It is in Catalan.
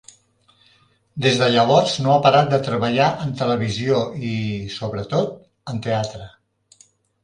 Des de llavors no ha parat de treballar en televisió i, sobretot, en teatre.